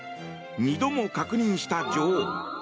２度も確認した女王。